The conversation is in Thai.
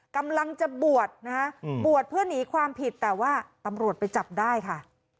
กำลังจะบวชนะฮะบวชเพื่อหนีความผิดแต่ว่าตำรวจไปจับได้ค่ะ